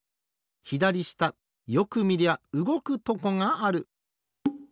ひだりしたよくみりゃうごくとこがある。